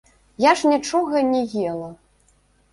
Я ж нічога не ела.